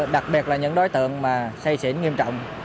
đặc biệt là những đối tượng mà say xỉn nghiêm trọng